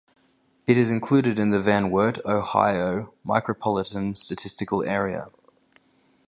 It is included in the Van Wert, Ohio Micropolitan Statistical Area.